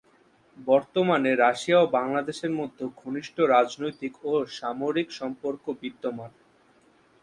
বর্তমানে রাশিয়া ও বাংলাদেশের মধ্যে ঘনিষ্ঠ রাজনৈতিক ও সামরিক সম্পর্ক বিদ্যমান।